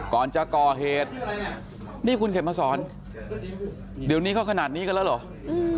ก่อนจะก่อเหตุนี่คุณเข็มมาสอนเดี๋ยวนี้เขาขนาดนี้กันแล้วเหรอ